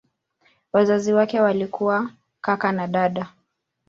Wazazi wake walikuwa kaka na dada.